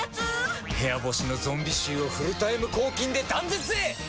部屋干しのゾンビ臭をフルタイム抗菌で断絶へ！